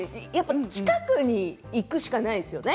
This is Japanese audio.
近くに行くしかないですよね。